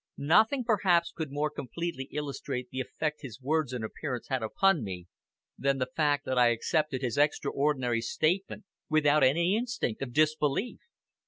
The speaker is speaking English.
Nothing, perhaps, could more completely illustrate the effect his words and appearance had upon me than the fact that I accepted his extraordinary statement without any instinct of disbelief!